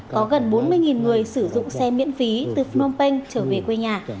có gần bốn mươi người sử dụng xe miễn phí từ phnom penh trở về quê nhà